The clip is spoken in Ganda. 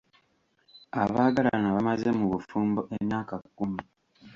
Abaagalana bamaze mu bufumbo emyaka kkumi.